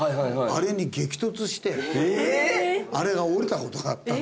あれに激突してあれが折れた事があった。